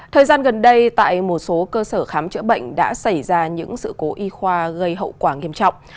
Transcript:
thời gian gần đây tại một số cơ sở khám chữa bệnh đã xảy ra những sự cố y khoa gây hậu quả nghiêm trọng